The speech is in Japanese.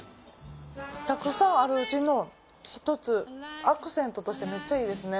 たくさんあるうちの１つアクセントとしてめっちゃいいですね。